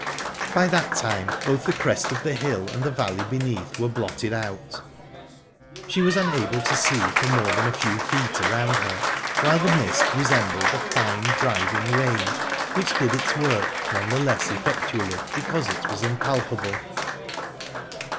By that time both the crest of the hill and the valley beneath were blotted out. She was unable to see for more than a few feet around her, while the mist resembled a fine, driving rain, which did its work none the less effectually because it was impalpable.